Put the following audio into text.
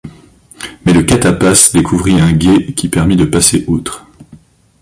Mais le catapaz découvrit un gué qui permit de passer outre.